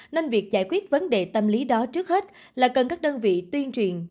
nên việc giải quyết vấn đề tâm lý đó trước hết là cần các đơn vị tuyên truyền